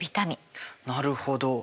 なるほど。